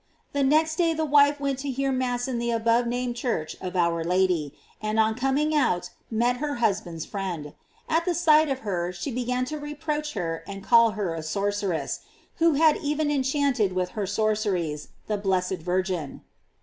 The next day the wife went to hear mass in the above named church of our Lady, and on coming out met her husband's friend; at the sight of her she began to reproach her and call her a sorceress, who had even en chanted with her sorceries the blessed Virgin.